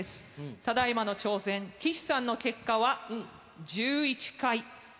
ただいまの挑戦、岸さんの結果は１１回です。